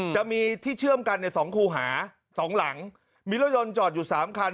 จะมีที่เชื่อมกันใน๒คู่หา๒หลังมีรถยนต์จอดอยู่๓คัน